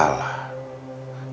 kalau ditanya bohong